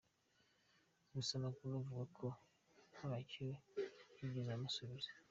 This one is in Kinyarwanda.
Gusa amakuru avuga ko ntacyo yigeze amusubiza.